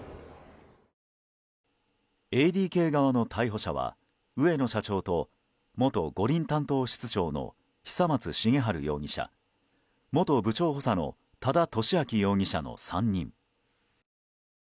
ＡＤＫ側の逮捕者は植野社長と元五輪担当室長の久松茂治容疑者元部長補佐の多田俊明容疑者の３人。